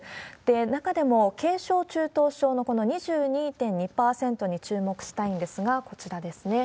中でも軽症、中等症のこの２２．２％に注目したいんですが、こちらですね。